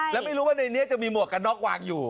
แล้วไม่รู้ว่าในนี้จะมีหมวกกันน็อกวางอยู่